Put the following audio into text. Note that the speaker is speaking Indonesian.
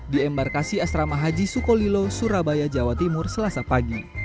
di embarkasi asrama haji sukolilo surabaya jawa timur selasa pagi